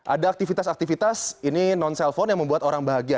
ada aktivitas aktivitas ini non selfon yang membuat orang bahagia